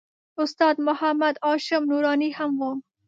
استاد محمد هاشم نوراني هم و.